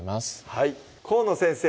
はい河野先生